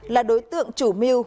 là đối tượng chủ mưu